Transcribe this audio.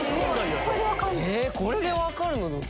これで分かるの⁉